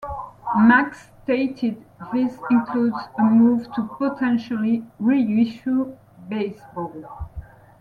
Max stated this includes a move to potentially reissue Baseball.